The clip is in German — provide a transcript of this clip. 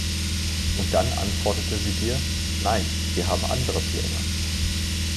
Und dann antwortete sie dir: „Nein, wir haben andere Pläne.“